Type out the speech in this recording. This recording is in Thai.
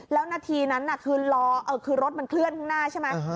แล้วนาทีนั้นคือรอคือรถมันเคลื่อนข้างหน้าใช่ไหม